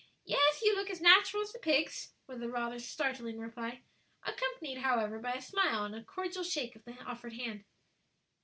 "Yes, you look as natural as the pigs," was the rather startling reply; accompanied, however, by a smile and cordial shake of the offered hand.